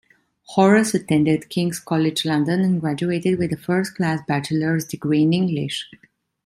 Horace attended King's College London and graduated with a first-class bachelor's degree in English.